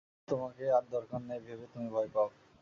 আচ্ছা, ওদের তোমাকে আর দরকার নেই ভেবে তুমি ভয় পাও।